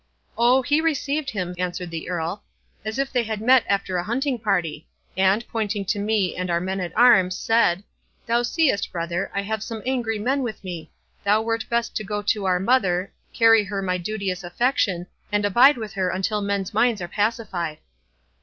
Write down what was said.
"O! he received him," answered the Earl, "as if they had met after a hunting party; and, pointing to me and our men at arms, said, 'Thou seest, brother, I have some angry men with me—thou wert best go to our mother, carry her my duteous affection, and abide with her until men's minds are pacified.